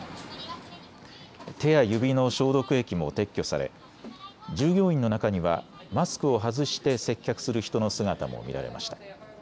手や指の消毒液も撤去され従業員の中にはマスクを外して接客する人の姿も見られました。